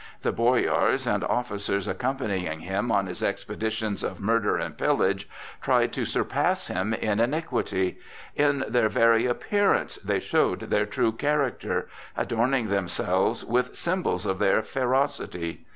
The boyars and officers accompanying him on his expeditions of murder and pillage tried to surpass him in iniquity; in their very appearance they showed their true character, adorning themselves with symbols of their ferocity.